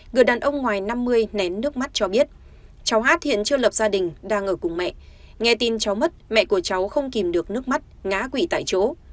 người đàn ông ngoài năm mươi nén nước mắt cho biết cháu hát hiện chưa lập gia đình đang ở cùng mẹ nghe tin cháu mất mẹ của cháu không kìm được nước mắt ngã quỷ tại chỗ